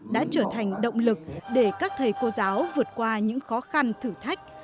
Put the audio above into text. đã trở thành động lực để các thầy cô giáo vượt qua những khó khăn thử thách